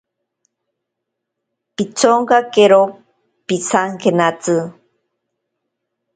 Pitsonkakero pisankenatsi.